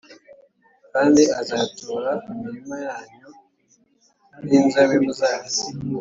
Kandi azatora imirima yanyu n’inzabibu zanyu